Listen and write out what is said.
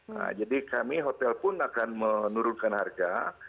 nah jadi kami hotel pun akan menurunkan harga